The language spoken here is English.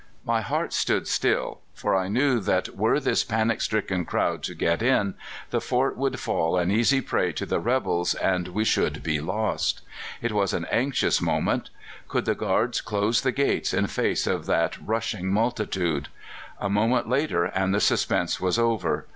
My heart stood still, for I knew that were this panic stricken crowd to get in, the fort would fall an easy prey to the rebels, and we should be lost. It was an anxious moment. Could the guards close the gates in face of that rushing multitude? A moment later, and the suspense was over.